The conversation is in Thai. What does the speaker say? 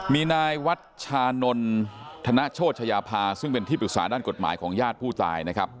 มีนายวัชชานนธนโชชยาภาซึ่งเป็นที่ปรึกษาด้านกฎหมายของญาติผู้ตายนะครับ